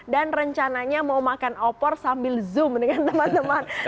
dan rencananya mau makan opor sambil zoom dengan teman teman